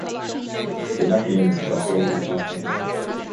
They lack limbs or have greatly reduced limbs.